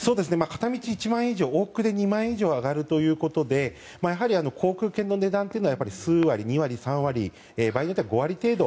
片道１万円以上２万円以上上がるということで航空券の値段は数割、２割、３割場合によっては５割程度